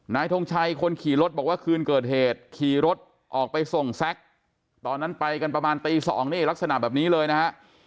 ทงชัยคนขี่รถบอกว่าคืนเกิดเหตุขี่รถออกไปส่งแซ็กตอนนั้นไปกันประมาณตี๒นี่ลักษณะแบบนี้เลยนะฮะ